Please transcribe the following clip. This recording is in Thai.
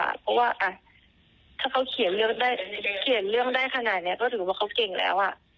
เพราะว่าถ้าเขาเขียนเรื่องได้ขนาดนี้ก็ถือว่าเขาเก่งแล้ว